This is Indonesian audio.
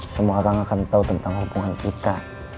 semua orang akan tahu tentang hubungan kita